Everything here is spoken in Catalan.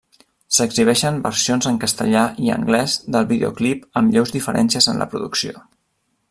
S'exhibeixen versions en castellà i anglès del videoclip amb lleus diferències en la producció.